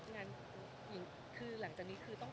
อุ๋อย่าเชียง